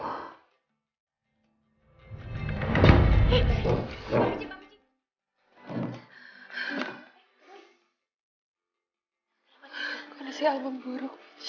aku masih album buruk